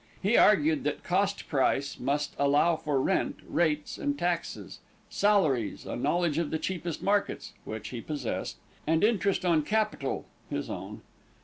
He argued that "cost price" must allow for rent, rates and taxes; salaries, a knowledge of the cheapest markets (which he possessed) and interest on capital (his own).